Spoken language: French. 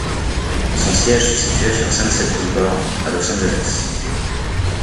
Son siège se situait sur Sunset Boulevard, à Los Angeles.